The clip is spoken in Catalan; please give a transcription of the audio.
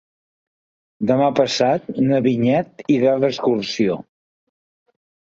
Demà passat na Vinyet irà d'excursió.